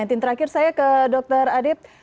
terakhir saya ke dr adib